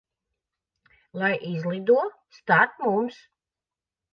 Lai izlido starp mums.